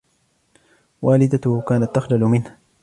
والدتهُ كانت تخجل منهُ.